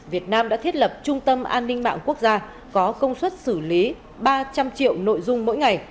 việt nam đã thiết lập trung tâm an ninh mạng quốc gia có công suất xử lý ba trăm linh triệu nội dung mỗi ngày